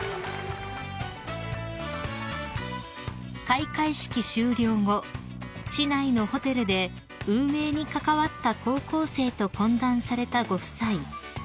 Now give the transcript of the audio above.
［開会式終了後市内のホテルで運営に関わった高校生と懇談されたご夫妻］